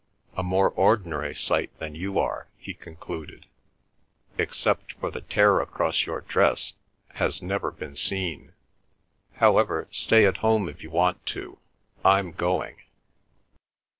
A more ordinary sight than you are," he concluded, "except for the tear across your dress has never been seen. However, stay at home if you want to. I'm going."